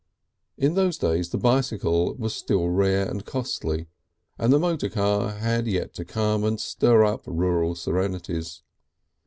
In those days the bicycle was still rare and costly and the motor car had yet to come and stir up rural serenities.